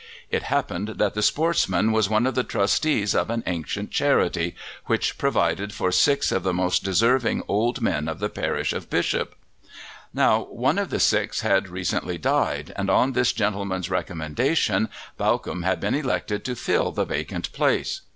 It happened that the sportsman was one of the trustees of an ancient charity which provided for six of the most deserving old men of the parish of Bishop; now, one of the six had recently died, and on this gentleman's recommendation Bawcombe had been elected to fill the vacant place.